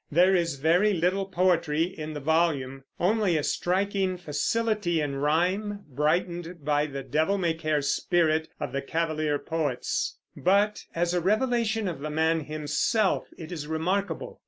There is very little poetry in the volume, only a striking facility in rime, brightened by the devil may care spirit of the Cavalier poets; but as a revelation of the man himself it is remarkable.